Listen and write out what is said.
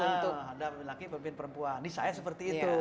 ada pemimpin laki pemimpin perempuan ini saya seperti itu